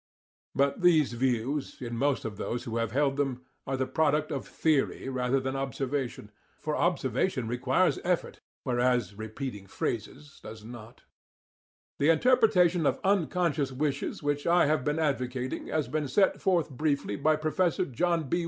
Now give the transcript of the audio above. Both these views, in most of those who have held them, are the product of theory rather than observation, for observation requires effort, whereas repeating phrases does not. * Cf. Hart, "The Psychology of Insanity," p. 19. The interpretation of unconscious wishes which I have been advocating has been set forth briefly by Professor John B.